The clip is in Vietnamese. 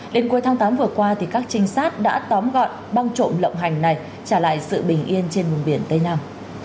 đến cuối tháng tám vừa qua các trinh sát đã tóm gọn băng trộm lộng hành này trả lại sự bình yên trên vùng biển tây nam